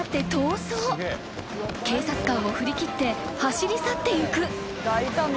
［警察官を振り切って走り去っていく］